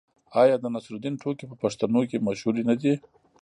آیا د نصرالدین ټوکې په پښتنو کې مشهورې نه دي؟